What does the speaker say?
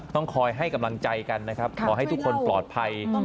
ต้องคอยให้กำลังใจกันนะครับขอให้ทุกคนปลอดภัย